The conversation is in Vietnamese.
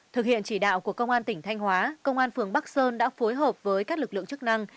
thực hiện chỉ đạo của công an tỉnh thanh hóa công an phường bắc sơn đã phối hợp với các lực lượng chức năng